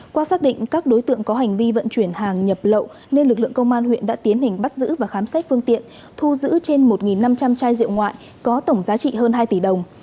qua xác định các đối tượng có hành vi vận chuyển hàng nhập lậu nên lực lượng công an huyện đã tiến hành bắt giữ và khám xét phương tiện thu giữ trên một năm trăm linh chai rượu ngoại có tổng giá trị hơn hai tỷ đồng